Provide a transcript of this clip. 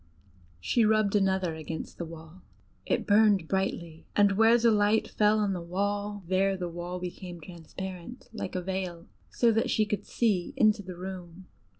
She rubbed another against the wall: it burned brightly, and where the light fell on the wall, there the wall became transparent like a veil, so that she could see into the room.